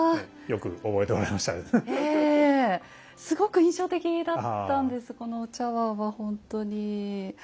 すごく印象的だったんですこのお茶碗はほんとに。